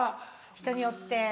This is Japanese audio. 人によって。